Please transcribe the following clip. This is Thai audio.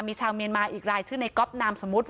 มีชาวเมียนมาอีกรายชื่อในก๊อปนามสมมุติ